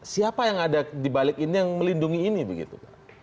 siapa yang ada di balik ini yang melindungi ini begitu pak